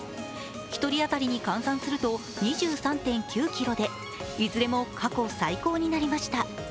１人当たりに換算すると２３．９ｋｇでいずれも過去最高になりました。